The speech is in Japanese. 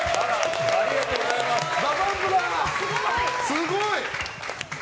すごい！